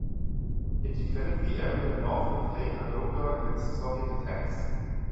It defended the area north of Lake Ladoga against Soviet attacks.